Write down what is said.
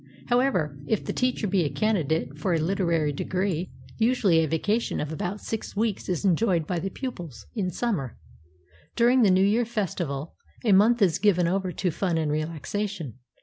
However, if the teacher be a candidate for a literary degree, usu ally a vacation of about six weeks is enjoyed by the pupils 215 CHINA in summer. During the New Year festival, a month is given over to fun and relaxation.